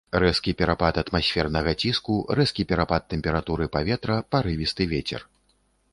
Рэзкі перапад атмасфернага ціску, рэзкі перапад тэмпературы паветра, парывісты вецер.